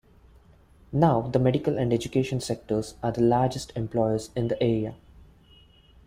Now the medical and education sectors are the largest employers in the area.